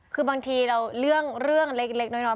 คือบางทีเรียงเรื่องเล็กน้อยน้อยน้อย